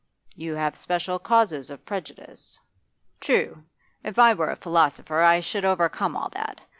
'You have special causes of prejudice.' 'True. If I were a philosopher I should overcome all that.